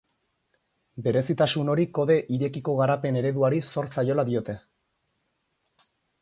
Berezitasun hori kode irekizko garapen-ereduari zor zaiola diote.